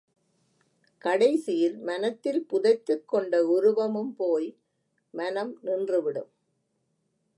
கடைசியில் மனத்தில் புதைத்துக் கொண்ட உருவமும் போய் மனம் நின்றுவிடும்.